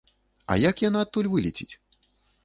А як яна адтуль вылеціць?